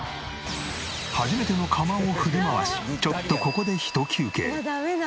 初めての鎌を振り回しちょっとここでひと休憩。